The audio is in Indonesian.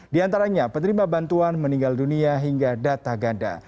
di antaranya penerima bantuan meninggal dunia hingga data ganda